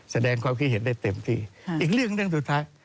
แสดงความคิดเห็นได้เต็มที่อีกเรื่องเรื่องสุดท้าย